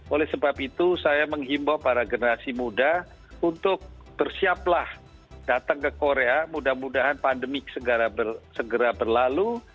oleh sebab itu saya menghimbau para generasi muda untuk bersiaplah datang ke korea mudah mudahan pandemi segera berlalu